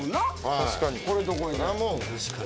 確かに。